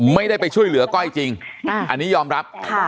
ไม่ได้ไปช่วยเหลือก้อยจริงอันนี้ยอมรับ